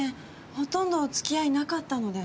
ほとんど付き合いなかったので。